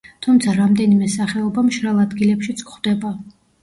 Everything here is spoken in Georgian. თუმცა რამდენიმე სახეობა მშრალ ადგილებშიც გვხვდება.